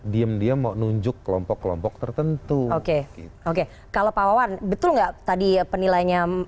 diam diam mau nunjuk kelompok kelompok tertentu oke oke kalau pak wawan betul nggak tadi penilainya